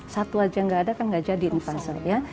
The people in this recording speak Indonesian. satu aja nggak ada kan nggak jadi puzzle ya